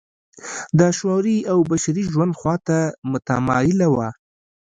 د شعوري او بشري ژوند خوا ته متمایله وه.